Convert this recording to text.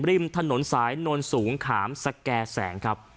ริมถนนสายนวลสูงขามสแก่แสงครับ